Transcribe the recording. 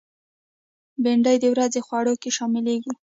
بېنډۍ د ورځې خوړو کې شاملېږي